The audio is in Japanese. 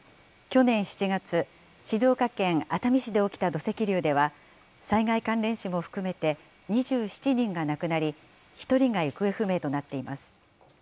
去年７月、静岡県熱海市で起きた土石流では、災害関連死も含めて２７人が亡くなり、１人が行方不明となっています。